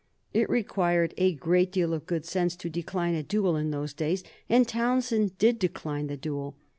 It required a great deal of good sense to decline a duel in those days, and Townshend did decline the duel.